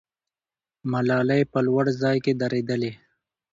ملالۍ په لوړ ځای کې درېدلې.